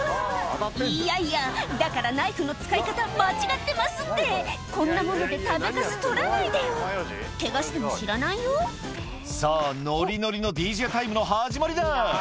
いやいやだからナイフの使い方間違ってますってこんなもので食べカス取らないでよケガしても知らないよ「さぁノリノリのＤＪタイムの始まりだ」